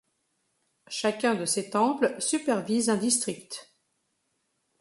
Chacun de ces temples supervise un district.